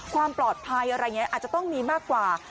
ความปลอดภัยอะไรอย่างนี้อาจจะต้องมีมากกว่า